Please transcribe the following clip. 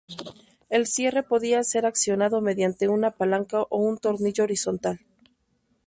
El cierre podía ser accionado mediante una palanca o un tornillo horizontal.